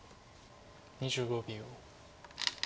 ２５秒。